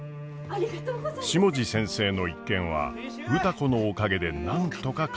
下地先生の一件は歌子のおかげでなんとか解決。